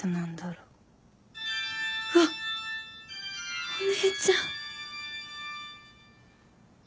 うわお姉ちゃん。